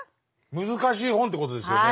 難しい本ってことですよね。